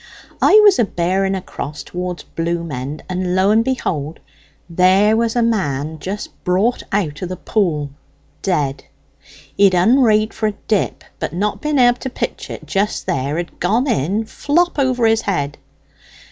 I was a bearing across towards Bloom's End, and lo and behold, there was a man just brought out o' the Pool, dead; he had un'rayed for a dip, but not being able to pitch it just there had gone in flop over his head.